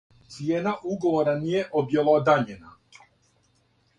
Цијена уговора није објелодањена.